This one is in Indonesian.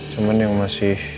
cuman yang masih